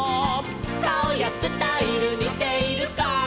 「かおやスタイルにているか」